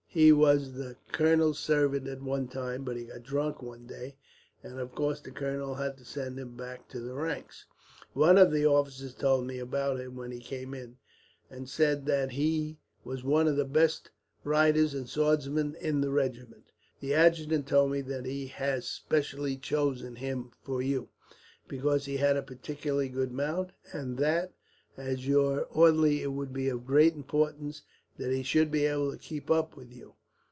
He was the colonel's servant at one time, but he got drunk one day, and of course the colonel had to send him back to the ranks. One of the officers told me about him when he came in, and said that he was one of the best riders and swordsmen in the regiment. The adjutant told me that he has specially chosen him for you, because he had a particularly good mount, and that as your orderly it would be of great importance that he should be able to keep up with you.